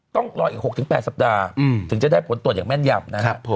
ต้องรออีก๖๘สัปดาห์ถึงจะได้ผลตรวจอย่างแม่นยำนะครับ